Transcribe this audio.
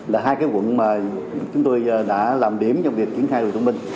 là hai quận mà chúng tôi đã làm điểm trong việc kiến thai đồ thông minh